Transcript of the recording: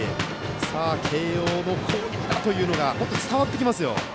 さあ、慶応の攻撃だというのが伝わってきますよ。